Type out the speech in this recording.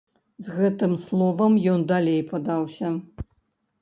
З гэтым словам ён далей падаўся.